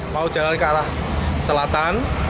mau jalan ke arah selatan